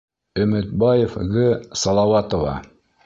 ӨМӨТБАЕВ.Г. САЛАУАТОВА.